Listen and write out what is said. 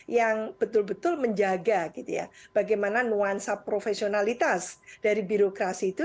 yang betul betul menjaga bagaimana nuansa profesionalitas dari birokrasi itu